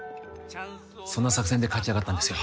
そんな作戦で勝ち上がったんですよ